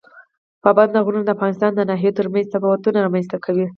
پابندی غرونه د افغانستان د ناحیو ترمنځ تفاوتونه رامنځ ته کوي.